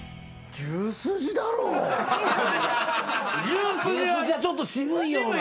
牛すじはちょっと渋いような。